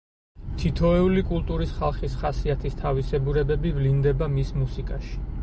თითოეული კულტურის, ხალხის ხასიათის თავისებურებები ვლინდება მის მუსიკაში.